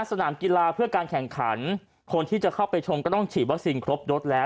สนามกีฬาเพื่อการแข่งขันคนที่จะเข้าไปชมก็ต้องฉีดวัคซีนครบโดสแล้ว